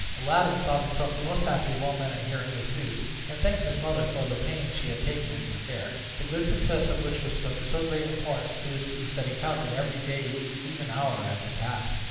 Aladdin thought himself the most happy of all men at hearing this news, and thanked his mother for the pains she had taken in the affair, the good success of which was of so great importance to his peace that he counted every day, week, and even hour as it passed.